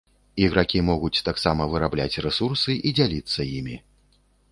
Ігракі могуць таксама вырабляць рэсурсы і дзяліцца імі.